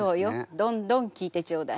どんどん聞いてちょうだい。